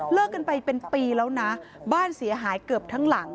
กันไปเป็นปีแล้วนะบ้านเสียหายเกือบทั้งหลัง